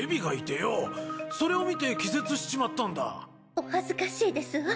お恥ずかしいですわ。